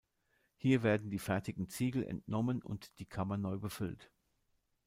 Hier werden die fertigen Ziegel entnommen und die Kammer neu befüllt.